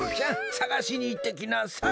さがしにいってきなさい。